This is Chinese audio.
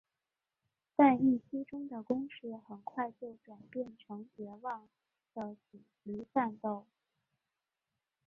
但预期中的攻势很快就转变成绝望的阻敌战斗。